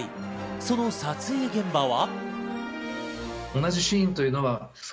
その撮影現場は。